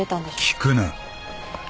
聞くな。